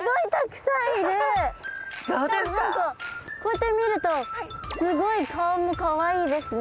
でも何かこうやって見るとすごい顔もかわいいですね。